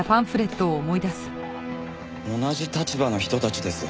同じ立場の人たちです。